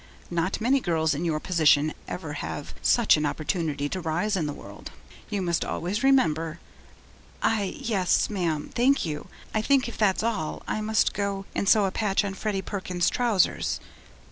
Not many girls in your position ever have such an opportunity to rise in the world. You must always remember ' 'I yes, ma'am, thank you. I think, if that's all, I must go and sew a patch on Freddie Perkins's trousers.'